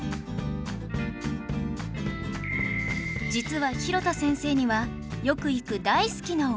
実は廣田先生にはよく行く大好きなお店が